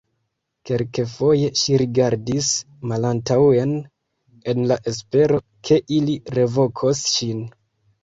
Kelkfoje ŝi rigardis malantaŭen en la espero ke ili revokos ŝin.